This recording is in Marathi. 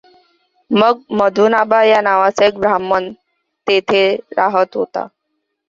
मग मधुनाभा या नावाचा एक ब्राह्मण तेथे राहात होता.